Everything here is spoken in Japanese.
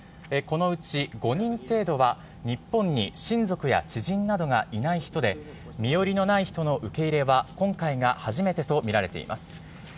このうち５人程度は、日本に親族や知人などがいない人で、身寄りのない人の受け入れは、今回が初めてと見られています。